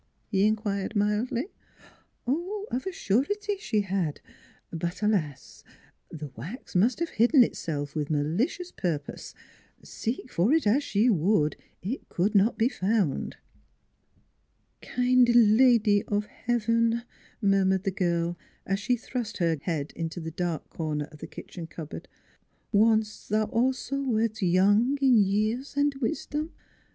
" he inquired mildly. Of a surety she had; but alas! the wax must have hidden itself with malicious purpose. Seek for it as she would, it could not be found. " Kind Lady of Heaven," murmured the girl, as she thrust her head into a dark corner of the kitchen cupboard, " once thou also wert young in years and wisdom.